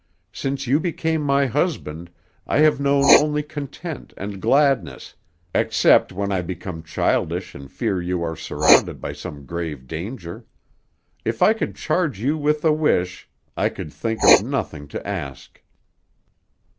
"Since you became my husband, I have known only content and gladness, except when I become childish and fear you are surrounded by some grave danger. If I could charge you with a wish I could think of nothing to ask."